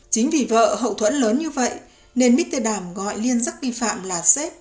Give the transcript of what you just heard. chính vì vợ hậu thuẫn lớn như vậy nên bitterdam gọi liên sắc kỳ phạm là sếp